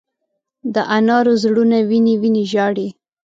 د انارو زړونه وینې، وینې ژاړې